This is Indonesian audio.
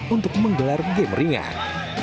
untuk mengelar game ringan